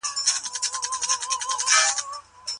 هیڅ انسان په بل باندې غوره نه دی.